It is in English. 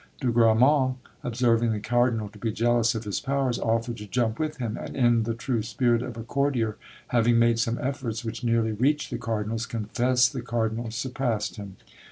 De Grammont, observing the cardinal to be jealous of his powers, offered to jump with him; and, in the true spirit of a courtier, having made some efforts which nearly reached the cardinal's, confessed the cardinal surpassed him.